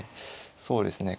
そうですね